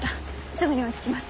すぐに追いつきます。